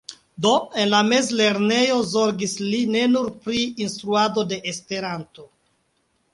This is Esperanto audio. Do, en la mezlernejo zorgis li ne nur pri instruado de Esperanto.